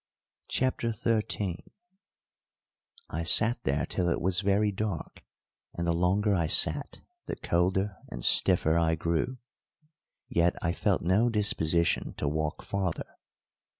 CHAPTER XIII I sat there till it was very dark, and the longer I sat the colder and stiffer I grew, yet I felt no disposition to walk farther.